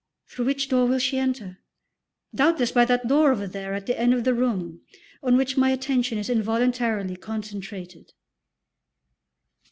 Through which door will she enter? Doubtless by that door over there at the end of the room, on which my attention is involuntarily concentrated.